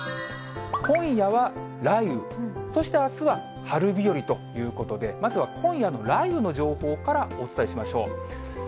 今夜は雷雨、そしてあすは春日和ということで、まずは今夜の雷雨の情報からお伝えしましょう。